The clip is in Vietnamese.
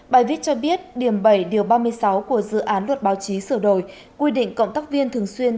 bài viết cho biết điểm bảy điều ba mươi sáu của dự án luật báo chí sửa đổi quy định cộng tác viên thường xuyên